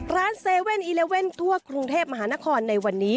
๗๑๑ทั่วกรุงเทพมหานครในวันนี้